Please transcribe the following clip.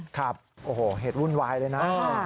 ครับโอ้โหเหตุวุ่นวายเลยนะ